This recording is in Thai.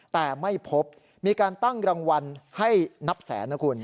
แต่ไม่พบมีการตั้งรางวัลให้นับแสนนะคุณ